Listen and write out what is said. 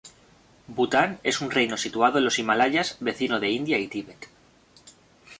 Bután es un reino situado en los Himalayas vecino de India y Tíbet.